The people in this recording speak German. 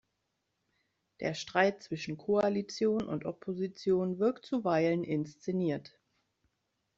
Der Streit zwischen Koalition und Opposition wirkt zuweilen inszeniert.